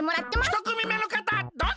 ひとくみめのかたどうぞ！